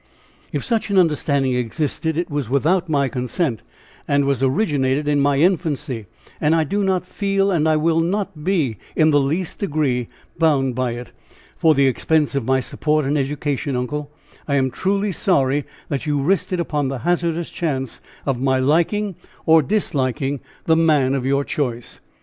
"If such an understanding existed, it was without my consent, and was originated in my infancy, and I do not feel and I will not be in the least degree bound by it! For the expense of my support and education, uncle! I am truly sorry that you risked it upon the hazardous chance of my liking or disliking the man of your choice!